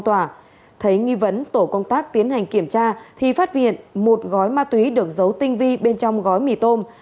trong tòa thấy nghi vấn tổ công tác tiến hành kiểm tra thì phát hiện một gói ma túy được giấu tinh vi bên trong gói mì tôm